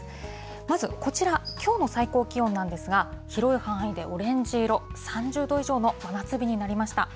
まずこちら、きょうの最高気温なんですが、広い範囲でオレンジ色、３０度以上の真夏日になりました。